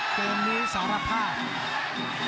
เกิดมือสารภาพ